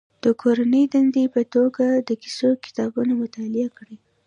د کورنۍ دندې په توګه د کیسو کتابونه مطالعه کړي.